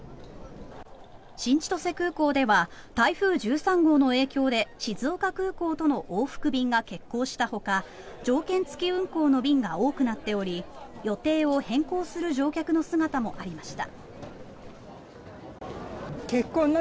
新千歳空港では台風１３号の影響で静岡空港との往復便が欠航したほか条件付き運航の便が多くなっており予定を変更する乗客の姿もありました。